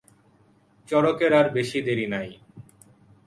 চড়কের আর বেশি দেরি নাই।